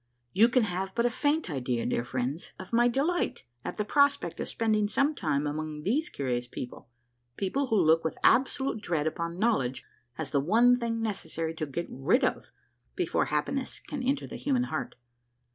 You can have but a faint idea, dear friends, of my delight at the prospect of spending some time among these curious people — people who look with absolute dread upon knowledge as the one thing necessary to get rid of before happiness can enter the human heart.